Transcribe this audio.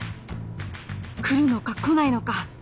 くるのかこないのか？